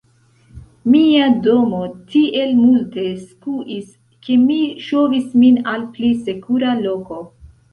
Mia domo tiel multe skuis, ke mi ŝovis min al pli sekura loko.